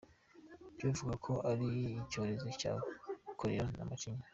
Byavugwaga ko ari icyorezo cya Korera na Macinya.